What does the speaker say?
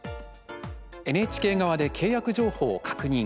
ＮＨＫ側で契約情報を確認。